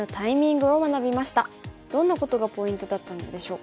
どんなことがポイントだったのでしょうか。